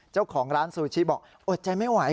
เจ้าของร้านซูชิบอกอดใจไม่ไหว